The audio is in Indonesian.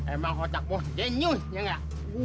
emang kotakmu denyut ya enggak